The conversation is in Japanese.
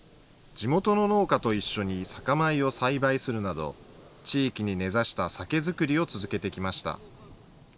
地元の農家と一緒に酒米を栽培するなど地域に根ざした酒造りを続けてきました。